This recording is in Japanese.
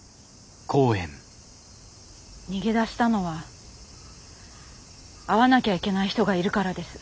逃げ出したのは会わなきゃいけない人がいるからです。